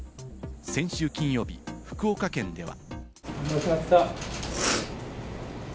先週金曜日、福岡県では。